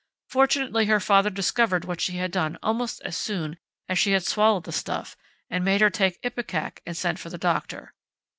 Fortunately her father discovered what she had done almost as soon as she had swallowed the stuff, and made her take ipecac and then sent for the doctor."